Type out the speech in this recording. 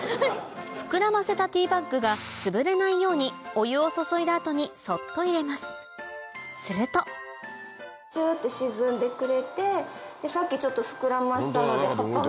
膨らませたティーバッグがつぶれないようにお湯を注いだ後にそっと入れますするとスって沈んでくれてさっきちょっと膨らましたので。